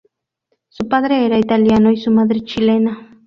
Su padre era italiano y su madre chilena.